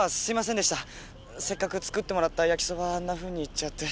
せっかく作ってもらったヤキソバあんなふうに言っちゃって。